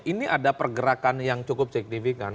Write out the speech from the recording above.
ini ada pergerakan yang cukup signifikan